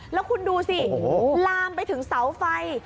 แล้วคุณดูสิลามไปถึงเสาไฟ